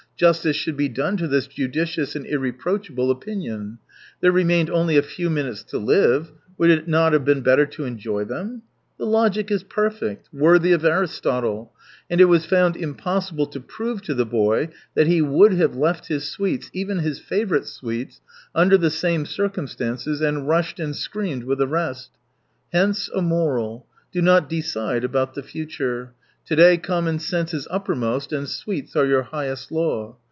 Justice should be done to. this judicious and irreproachable opinion. There remained only a few minutes to live — would it not have been better to enjoy them ? The logic is perfect, worthy of Aristotle. And it was found impossible to prove to the boy that he would have left his sweets, even his favourite' sweets, under the same circumstances, and rushed . and screamed with the rest. Hence a moral — do not decide about the future. To day common sense is uppermost, and sweets are your highest law.